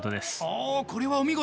お、これはお見事！